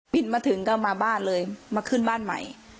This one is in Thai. มาถึงก็มาบ้านเลยมาขึ้นบ้านใหม่